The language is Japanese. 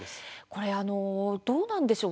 これどうなんでしょう？